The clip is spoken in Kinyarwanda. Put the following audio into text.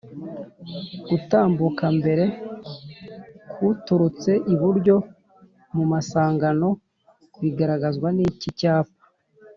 gutambuka mbere k’uturutse iburyo mumasangano bigaragazwa niki cyapa